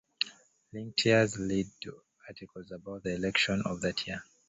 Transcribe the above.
Linked years lead to articles about the election of that year.